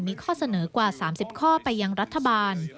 มีข้อเสนอกว่า๓๐ข้อไปยังรัฐบาล